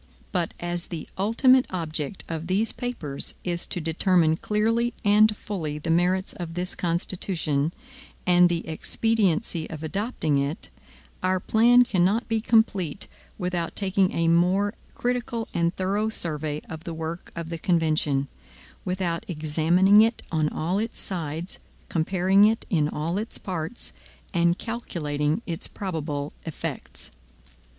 But as the ultimate object of these papers is to determine clearly and fully the merits of this Constitution, and the expediency of adopting it, our plan cannot be complete without taking a more critical and thorough survey of the work of the convention, without examining it on all its sides, comparing it in all its parts, and calculating its probable effects.